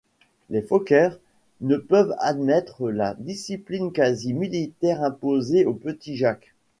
Les Focker ne peuvent admettre la discipline quasi militaire imposée au petit Jack.